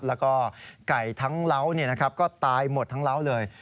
แล้วก็ไก่ทั้งเล้าเนี่ยนะครับก็ตายหมดทั้งเล้าเลย